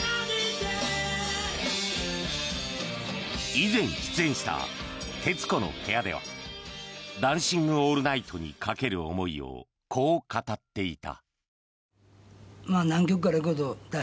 以前、出演した「徹子の部屋」では「ダンシング・オールナイト」にかける思いをこう語っていた。